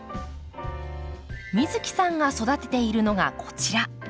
美月さんが育てているのがこちら。